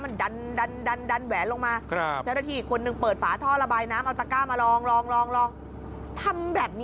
มาแล้วขอบคุณครับขอบคุณมาก